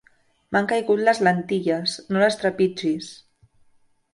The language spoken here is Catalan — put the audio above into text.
M'han caigut les lentilles, no les trepitgis!